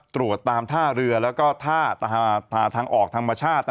ตรวจตามท่าเรือแล้วก็ท่าทางออกธรรมชาติ